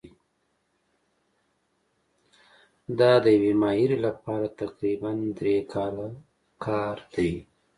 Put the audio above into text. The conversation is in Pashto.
دا د یوې ماهرې لپاره تقریباً درې کاله کار دی.